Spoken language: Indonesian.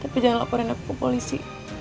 tapi jangan laporin aku ke polisi